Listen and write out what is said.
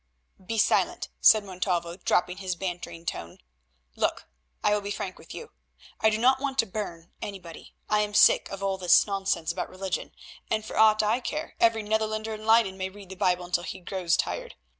"Be silent," said Montalvo, dropping his bantering tone. "Look, I will be frank with you. I do not want to burn anybody. I am sick of all this nonsense about religion, and for aught I care every Netherlander in Leyden may read the Bible until he grows tired.